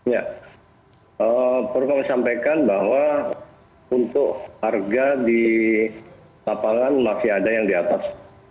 ya perlu kami sampaikan bahwa untuk harga di lapangan masih ada yang di atas